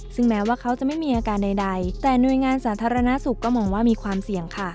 ซึ่งแม้ว่าเขาจะไม่มีอาการใดแต่หน่วยงานสาธารณสุขก็มองว่ามีความเสี่ยงค่ะ